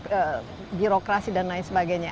kemudian birokrasi dan lain sebagainya